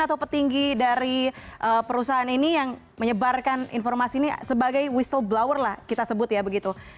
atau petinggi dari perusahaan ini yang menyebarkan informasi ini sebagai whistleblower lah kita sebut ya begitu